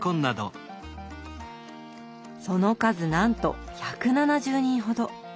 その数なんと１７０人ほど。